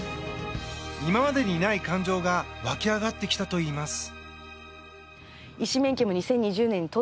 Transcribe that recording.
今までにない感情が湧き上がってきたといいます。